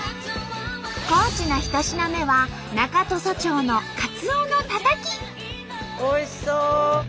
高知の１品目は中土佐町のおいしそう！